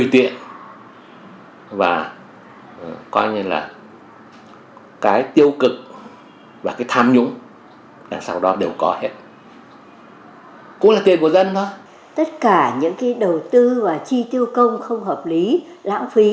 tất cả những cái đầu tư và chi tiêu công không hợp lý lãng phí